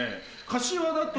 柏だと。